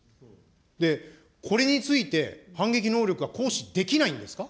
で、これについて、反撃能力は行使できないんですか。